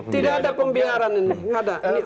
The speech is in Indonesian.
tidak ada pembiayaan ini